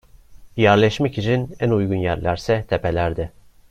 Yerleşmek için en uygun yerlerse tepelerdi.